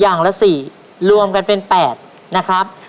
อย่างละ๔รวมกันเป็น๘นะครับ